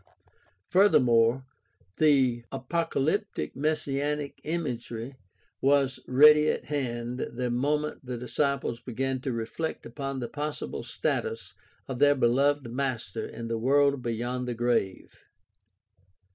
Furthermore, the apocal>'ptic messianic imagery was ready at hand the moment the disciples began to reflect upon the possible status of their beloved master in the world beyond the grave.